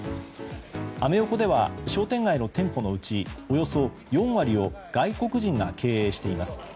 アメ横では商店街の店舗のうちおよそ４割を外国人が経営しています。